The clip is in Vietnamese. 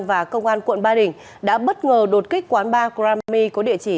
và công an quận ba đình đã bất ngờ đột kích quán ba grammy có địa chỉ